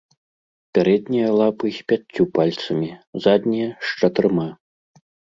Пярэднія лапы з пяццю пальцамі, заднія з чатырма.